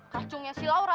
kacungnya si laura